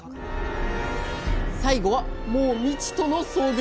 最後はもう未知との遭遇。